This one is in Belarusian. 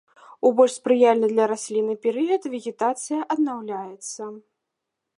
У больш спрыяльны для расліны перыяд вегетацыя аднаўляецца.